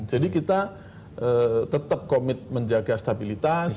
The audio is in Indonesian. jadi kita tetap komit menjaga stabilitas